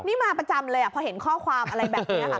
นี่มาประจำเลยพอเห็นข้อความอะไรแบบนี้ค่ะ